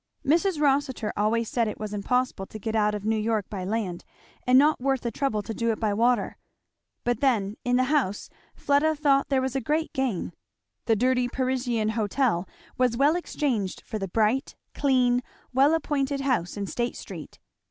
Mrs. Rossitur always said it was impossible to get out of New York by land, and not worth the trouble to do it by water. But then in the house Fleda thought there was a great gain. The dirty Parisian Hotel was well exchanged for the bright, clean, well appointed house in State street.